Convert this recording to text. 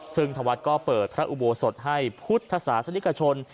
ซึ่งธวัดก็เปิดพระอุโบสถให้พุทธศาสนิกชน